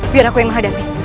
biar aku yang menghadapi